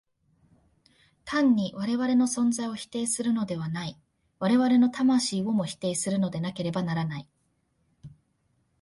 単に我々の存在を否定するのではない、我々の魂をも否定するのでなければならない。